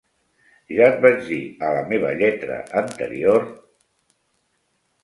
Ja et vaig dir a la meva lletra anterior...